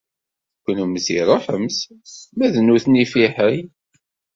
Kennemti ṛuḥemt ma d nutni fiḥel.